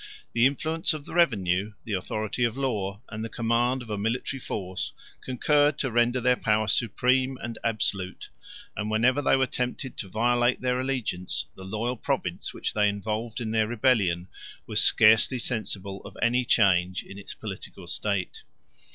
124 The influence of the revenue, the authority of law, and the command of a military force, concurred to render their power supreme and absolute; and whenever they were tempted to violate their allegiance, the loyal province which they involved in their rebellion was scarcely sensible of any change in its political state.